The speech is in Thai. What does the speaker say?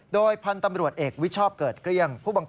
โดยพันธุ์ตำรวจเอกวิชอบเกิดเกลี้ยง